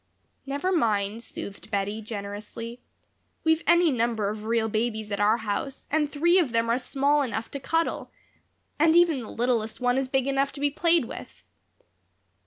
"Never mind," soothed Bettie, generously. "We've any number of real babies at our house and three of them are small enough to cuddle. And even the littlest one is big enough to be played with."